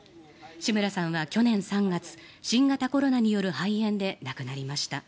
志村けんさんは去年３月新型コロナによる肺炎で亡くなりました。